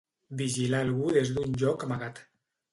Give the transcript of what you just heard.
Vigilar algú des d'un lloc amagat.